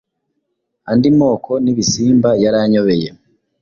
andi moko n ibisimba yaranyobeye,